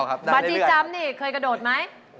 ตัวเลขแรกค่ะ